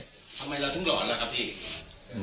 ทำไมเราถึงหลอนล่ะครับพี่